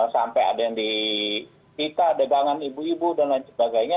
sampai ada yang di kita dagangan ibu ibu dan lain sebagainya